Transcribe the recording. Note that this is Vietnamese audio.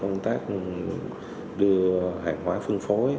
công tác đưa hàng hóa phương phối